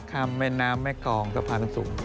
ข้ามแม่น้ำแม่กรองสะพานทางสูง